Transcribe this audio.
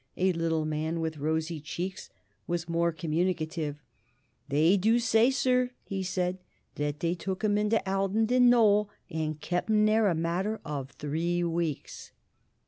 A little man with rosy cheeks was more communicative. "They DO say, sir," he said, "that they took him into Aldington Knoll an' kep' him there a matter of three weeks."